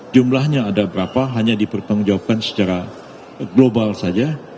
jumlahnya ada berapa hanya dipertanggungjawabkan secara global saja